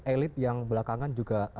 elit yang belakangan juga